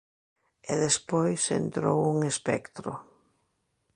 E despois entrou un Espectro.